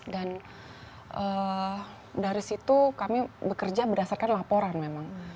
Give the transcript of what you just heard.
dan dari situ kami bekerja berdasarkan laporan memang